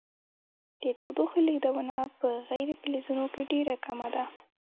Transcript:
د تودوخې لیږدونه په غیر فلزونو کې ډیره کمه ده.